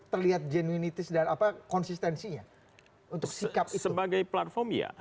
terlihat genuinitis dan konsistensinya